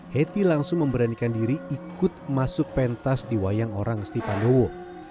heti langsung memberanikan diri ikut masuk pentas di wayang orang ngesti pandowo